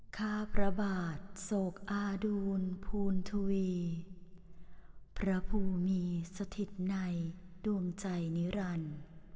ข้าพระบาทโศกอาดูลภูณทวีพระภูมิมีสถิตในดวงใจนิรันดิ์